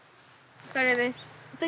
これです。